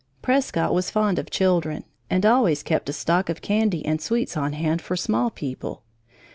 Prescott was fond of children and always kept a stock of candy and sweets on hand for small people.